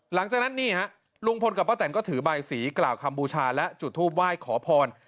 หลังจากนั้นนี่ฮะลุงพลกับป้าแตนก็ถือใบสีกล่าวคำบูชาและจุดทูปไหว้ขอพร